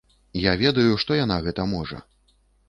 Я ведаю, што яна гэта можа.